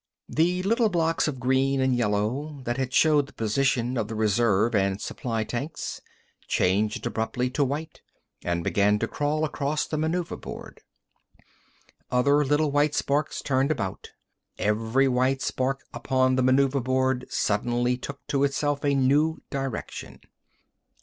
The little blocks of green and yellow that had showed the position of the reserve and supply tanks, changed abruptly to white, and began to crawl across the maneuver board. Other little white sparks turned about. Every white spark upon the maneuver board suddenly took to itself a new direction.